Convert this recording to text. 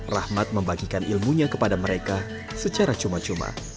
rahmat membagikan ilmunya kepada mereka secara cuma cuma